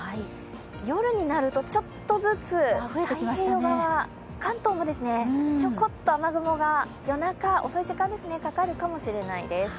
夜になるとちょっとずつ太平洋側関東もちょこっと雨雲が、夜中、遅い時間にかかるかもしれないです。